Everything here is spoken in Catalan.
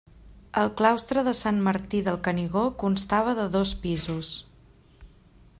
El claustre de Sant Martí del Canigó constava de dos pisos.